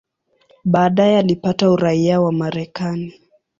Baadaye alipata uraia wa Marekani.